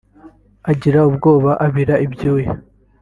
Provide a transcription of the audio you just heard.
agira ubwoba abira ibyuya